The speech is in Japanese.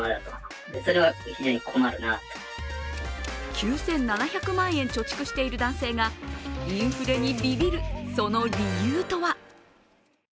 ９７００万円貯蓄している男性がインフレにビビる、その理由とは？